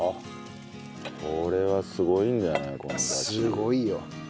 すごいよ。